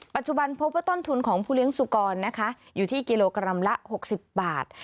ปัจจุบันพบว่าต้นทุนของผู้เลี้ยงสุกรนะคะอยู่ที่กิโลกรัมละ๖๐บาท